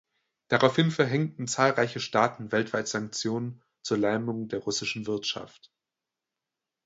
Daraufhin verhängten zahlreiche Staaten weltweit Sanktionen zur Lähmung der russischen Wirtschaft.